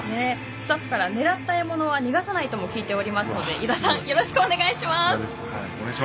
スタッフから狙った獲物は逃がさないと聞いておりますので井田さん、よろしくお願いします。